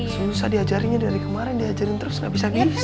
susah diajarinya dari kemaren diajarin terus gak bisa bisa